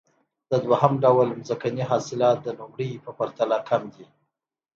د دویم ډول ځمکې حاصلات د لومړۍ په پرتله کم دي